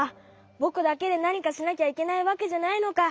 ぼくだけでなにかしなきゃいけないわけじゃないのか。